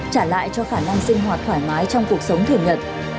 trả lại cho khả năng sinh hoạt thoải mái trong cuộc sống thường nhật